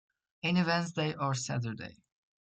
Any Wednesday or Saturday.